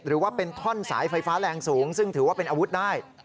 หรือว่าเป็นท่อนสายไฟฟ้าแรงสูงซึ่งถือว่าเป็นอาวุธได้